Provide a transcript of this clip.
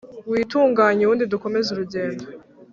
witunganye ubundi dukomeze urugendo"